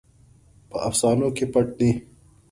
په افسانو کې پټ دی.